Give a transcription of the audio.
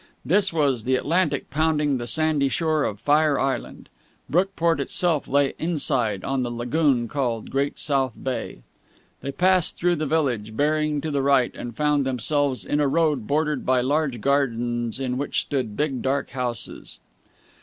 This was the Atlantic pounding the sandy shore of Fire Island. Brookport itself lay inside, on the lagoon called the Great South Bay. They passed through the village, bearing to the right, and found themselves in a road bordered by large gardens in which stood big, dark houses.